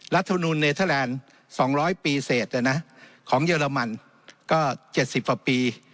รัฐมนูลเนเธอร์แลนด์๒๐๐ปีเศสของเยอรมันก็๗๐ปี